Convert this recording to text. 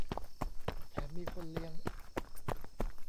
แถมมีคนเลี้ยง